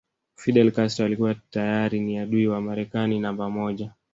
Fidel Castro alikuwa tayari ni adui wa Marekani namba moja